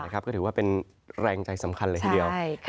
ก็ถือว่าเป็นแรงใจสำคัญเลยทีเดียว